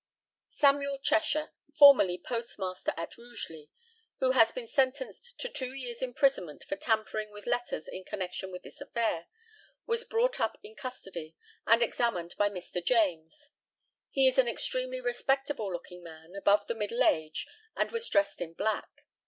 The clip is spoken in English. SAMUEL CHESHIRE, formerly postmaster at Rugeley, who has been sentenced to two years' imprisonment for tampering with letters in connexion with this affair, was brought up in custody, and examined by Mr. JAMES. He is an extremely respectable looking man, above the middle age, and was dressed in black.